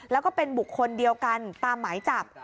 แล้วก็เป็นบุคคลเดียวกันตามหมายจับ